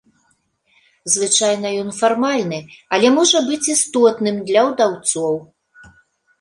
Звычайна ён фармальны, але можа быць істотным для ўдаўцоў.